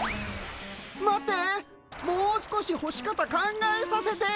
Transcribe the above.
もう少しほし方考えさせて。